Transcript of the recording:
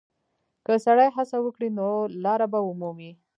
که سړی هڅه وکړي، نو لاره به ومومي.